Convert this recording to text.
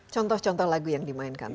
contoh contoh lagu yang dimainkan